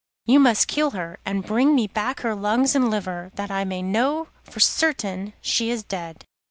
You must kill her, and bring me back her lungs and liver, that I may know for certain she is dead.